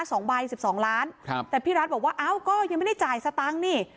สองใบสิบสองล้านครับแต่พี่รัฐบอกว่าอ้าวก็ยังไม่ได้จ่ายสตังค์นี่